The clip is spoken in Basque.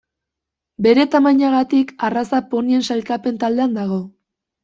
Bere tamainagatik arraza ponien sailkapen taldean dago.